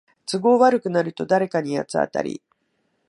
都合悪くなると誰かに八つ当たり